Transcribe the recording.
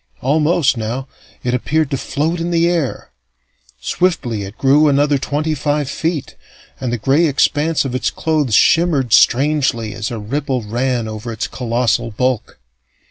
Almost, now, it appeared to float in the air. Swiftly it grew another twenty five feet, and the gray expanse of its clothes shimmered strangely as a ripple ran over its colossal bulk.